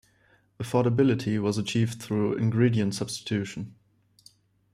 Affordability was achieved through ingredient substitution.